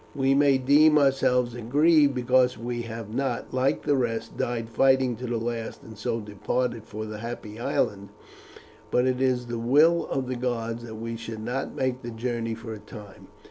We may deem ourselves aggrieved because we have not, like the rest, died fighting to the last, and so departed for the Happy Island; but it is the will of the gods that we should not make the journey for a time.